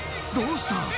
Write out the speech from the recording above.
どうした？